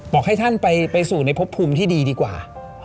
บอกให้ท่านไปสู่ในพบภูมิที่ดีดีกว่า